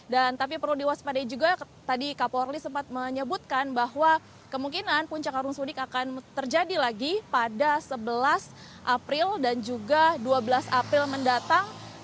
dan tapi perlu diwaspadai juga tadi kapolri sempat menyebutkan bahwa kemungkinan puncak arung sudik akan terjadi lagi pada sebelas april dan juga dua belas april mendatang